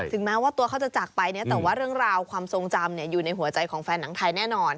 แม้ว่าตัวเขาจะจากไปเนี่ยแต่ว่าเรื่องราวความทรงจำอยู่ในหัวใจของแฟนหนังไทยแน่นอน